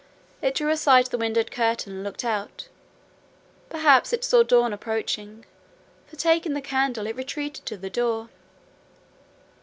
"It drew aside the window curtain and looked out; perhaps it saw dawn approaching, for, taking the candle, it retreated to the door.